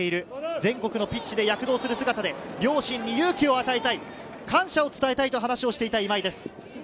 全国のピッチで躍動する姿で両親に勇気を与えたい、感謝を伝えたいと話していた今井です。